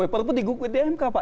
perpu digukuit di mk pak